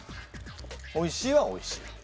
おいしいはおいしい？